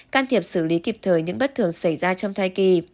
can thiệp xử lý kịp thời những bất thường xảy ra trong thai kỳ